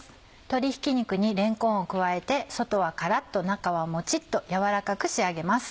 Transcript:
鶏ひき肉にれんこんを加えて外はカラっと中はモチっと軟らかく仕上げます。